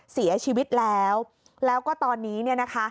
เสียชีวิตแล้วแล้วก็ตอนนี้เนี่ยนะคะ